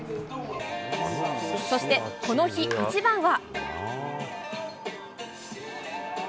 そして、この日一番は。